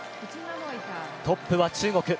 トップは中国。